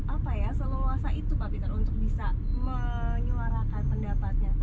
agar seluasa itu pak peter untuk bisa menyuarakan pendapatnya